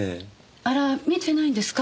あら見てないんですか？